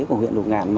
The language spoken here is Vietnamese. của huyện lục ngạn